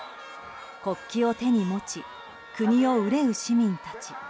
国旗を手に持ち国を憂う市民たち。